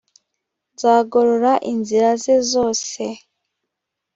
nzagorora inzira ze zose